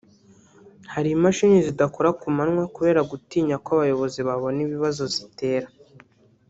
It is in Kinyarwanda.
Hari imashini zidakora ku manywa kubera gutinya ko abayobozi babona ibibazo zitera